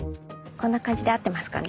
こんな感じで合ってますかね？